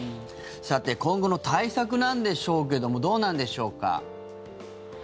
今後の対策なんですけどもどうなんでしょうか？